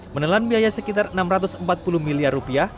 menelan biaya sekitar enam ratus empat puluh miliar rupiah